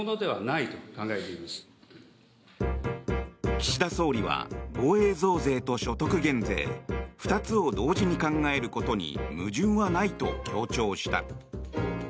岸田総理は防衛増税と所得減税２つを同時に考えることに矛盾はないと強調した。